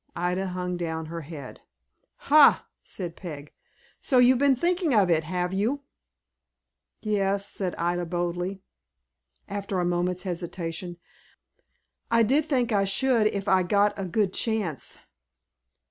Ida hung down her head. "Ha!" said Peg. "So you've been thinking of it, have you?" "Yes," said Ida, boldly, after a moment's hesitation; "I did think I should if I got a good chance."